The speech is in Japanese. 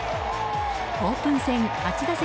オープン戦初打席